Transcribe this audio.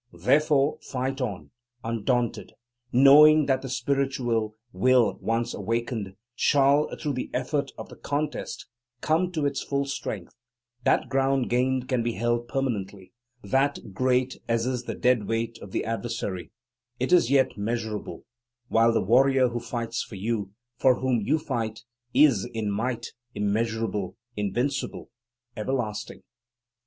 Therefore fight on, undaunted; knowing that the spiritual will, once awakened, shall, through the effort of the contest, come to its full strength; that ground gained can be held permanently; that great as is the dead weight of the adversary, it is yet measurable, while the Warrior who fights for you, for whom you fight, is, in might, immeasurable, invincible, everlasting.